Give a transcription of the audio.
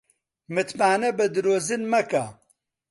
متمانە بە درۆزن مەکە